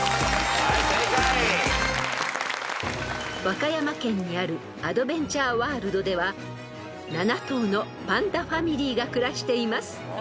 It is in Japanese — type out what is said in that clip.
［和歌山県にあるアドベンチャーワールドでは７頭のパンダファミリーが暮らしています］